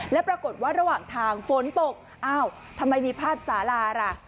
แล้วปรากฏว่าระหว่างทางฝนตกอ้าวทำไมมีภาพสาราล่ะ